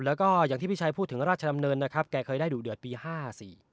แล้วก็อย่างที่พี่ชัยพูดถึงราชดำเนินนะครับแกเคยได้ดุเดือดปีห้าสี่